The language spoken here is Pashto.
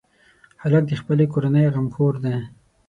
هلک د خپلې کورنۍ غمخور دی.